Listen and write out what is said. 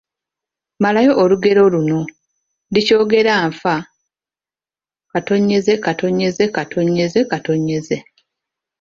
Malayo olugero luno: Ndikyogera nfa, ….